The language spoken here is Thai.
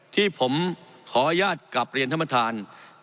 ที่ผมขออนุญาตกลับเรียนท่านประธาน